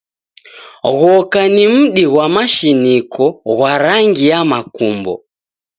Ghoka ni mdi ghwa mashiniko ghwa rangi ya makumbo.